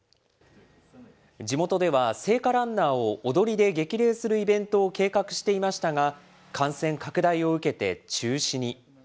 地元では、聖火ランナーを踊りで激励するイベントを計画していましたが、感染拡大を受けて中止に。